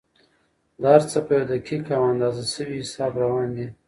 دا هر څه په یو دقیق او اندازه شوي حساب روان دي.